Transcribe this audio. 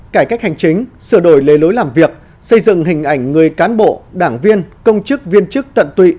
cải cách hành chính sửa đổi lề lối làm việc xây dựng hình ảnh người cán bộ đảng viên công chức viên chức tận tụy